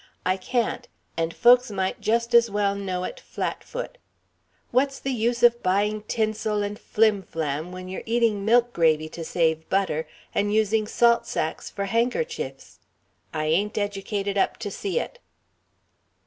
I can't, and folks might just as well know it, flat foot. What's the use of buying tinsel and flim flam when you're eating milk gravy to save butter and using salt sacks for handkerchiefs? I ain't educated up to see it."